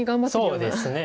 そうですね。